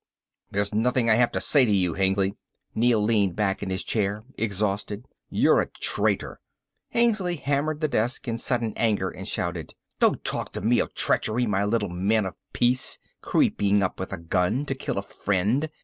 "There's nothing I have to say to you, Hengly." Neel leaned back in the chair, exhausted. "You're a traitor!" Hengly hammered the desk in sudden anger and shouted. "Don't talk to me of treachery, my little man of peace. Creeping up with a gun to kill a friend.